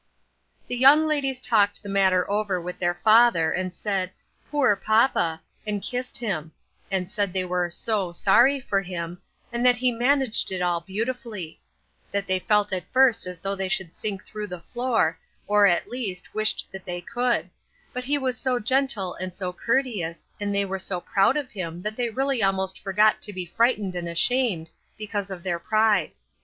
The young ladies talked the matter over with their father, and said " Poor papa," and kissed him ; and said they were " so sorry " for him, and that he managed it all beautifully ; that they felt at first as though they should sink through the floor, or, at least, wished that they could, but he was so gentle and so courteous, and they were so proud of him that they really almost forgot to be frightened and ashamed, because of their pride.